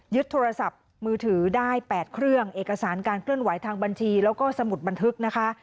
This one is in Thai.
โทรศัพท์มือถือได้๘เครื่องเอกสารการเคลื่อนไหวทางบัญชีแล้วก็สมุดบันทึกนะคะ